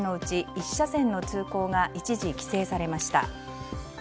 １車線の通行が一時、規制されました。